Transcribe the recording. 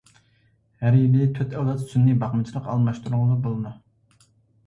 ھەر يىلى تۆت ئەۋلاد سۈنئىي باقمىچىلىق ئالماشتۇرغىلى بولىدۇ.